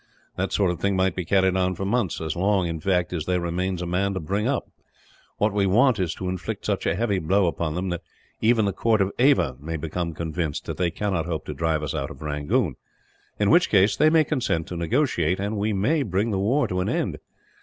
That sort of thing might be carried on for months; as long, in fact, as there remains a man to bring up. What we want is to inflict such a heavy blow upon them, that even the court at Ava may become convinced that they cannot hope to drive us out of Rangoon; in which case they may consent to negotiate, and we may bring the war to an end.